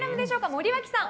森脇さん